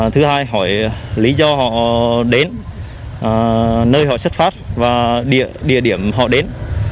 thứ hai hỏi lý do họ đến nơi họ xuất phát và địa điểm họ đến